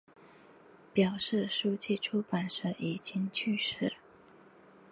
表示书籍出版时已经去世。